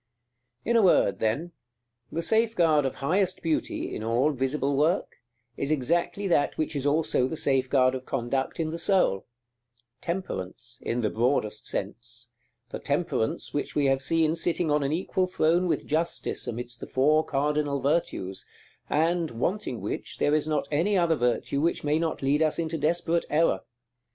§ VII. In a word, then, the safeguard of highest beauty, in all visible work, is exactly that which is also the safeguard of conduct in the soul, Temperance, in the broadest sense; the Temperance which we have seen sitting on an equal throne with Justice amidst the Four Cardinal Virtues, and, wanting which, there is not any other virtue which may not lead us into desperate error.